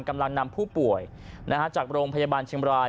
กำลังนำผู้ป่วยจากโรงพยาบาลเชงราย